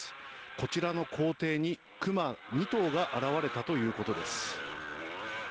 こちらの校庭にクマ２頭が現れたということです。